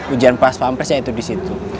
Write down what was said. ujian pas pampresnya itu di situ